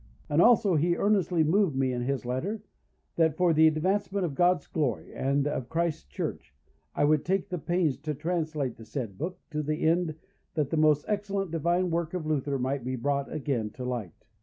"And also he earnestly moved me in his letter, that for the advancement of God's glory, and of Christ's Church, I would take the pains to translate the said book, to the end that that most excellent divine work of Luther might be brought again to light.